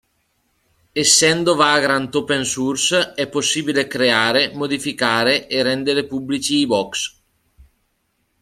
Essendo Vagrant open source è possibile creare, modificare e rendere pubblici i box.